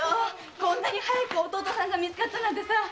こんなに早く弟さんが見つかったなんてさ。